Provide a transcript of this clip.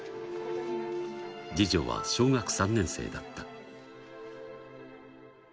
次女は小学３年生だった。